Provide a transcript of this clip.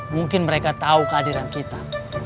mungkin mereka tahu kehadiran kita